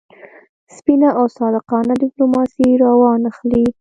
سپینه او صادقانه ډیپلوماسي را وانه خلي.